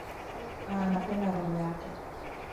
Napenda roho yake